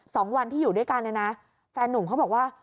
สองวันที่อยู่ด้วยกันเนี่ยนะแฟนนุ่มเขาบอกว่า